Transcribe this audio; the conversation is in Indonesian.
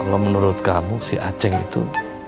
kalau menurut kamu si aceh itu